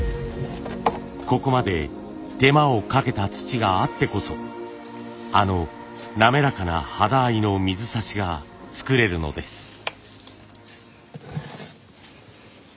ここまで手間をかけた土があってこそあの滑らかな肌合いの水指が作れるのです。